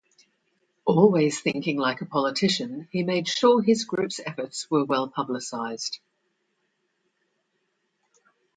Always thinking like a politician, he made sure his group's efforts were well publicized.